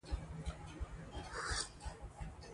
ـ ټوټې ټوټې چېرته ځې ،چې بېرته به راځې.